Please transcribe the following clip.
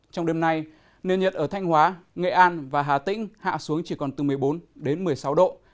trong đêm nay nền nhiệt ở thanh hóa nghệ an và hà tĩnh hạ xuống chỉ còn từ một mươi bốn đến một mươi sáu độ